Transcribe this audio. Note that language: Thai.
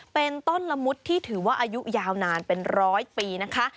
เป็นต้นละมุดที่ถือว่าอายุยาวนานเป็นร้อยปีนะคะ